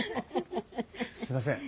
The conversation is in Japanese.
すいません。